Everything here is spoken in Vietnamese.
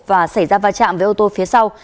và xảy ra va chạm với ô tô phía sau